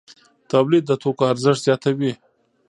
تولید د توکو ارزښت زیاتوي.